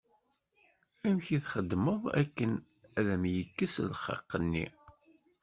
Amek i txedmeḍ akken ad am-yekkes lxiq-nni?